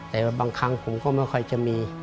แต่บางครั้งผมก็ไม่ค่อยจะมี